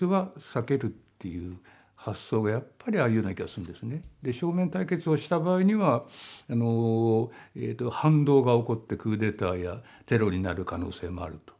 それに対して正面対決をした場合には反動が起こってクーデターやテロになる可能性もあると。